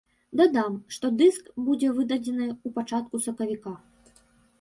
Дадам, што дыск будзе выдадзены ў пачатку сакавіка.